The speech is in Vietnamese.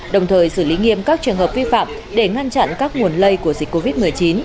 đồng thời xử lý nghiêm các trường hợp vi phạm để ngăn chặn các nguồn lây của dịch covid một mươi chín